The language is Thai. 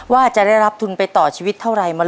ว่าจะได้รับทุนไปต่อชีวิตเท่าไร